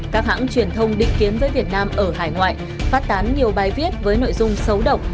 các hãng truyền thông định kiến với việt nam ở hải ngoại phát tán nhiều bài viết với nội dung xấu độc